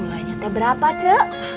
uangnya teh berapa cek